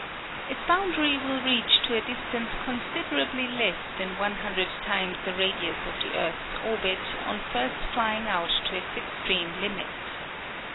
Its boundary will reach to a distance considerably less than one hundred times the radius of the earth's orbit on first flying out to its extreme limit.